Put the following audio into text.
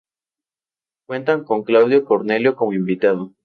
Cuentan con Claudio Cornelio como invitado.